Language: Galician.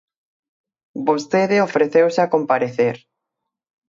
Vostede ofreceuse a comparecer.